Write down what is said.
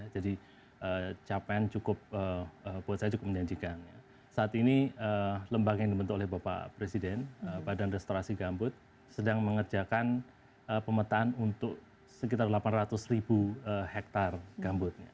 jadi capaian cukup buat saya cukup menjanjikan saat ini lembaga yang dibentuk oleh bapak presiden badan restorasi gambut sedang mengerjakan pemetaan untuk sekitar delapan ratus ribu hektar gambut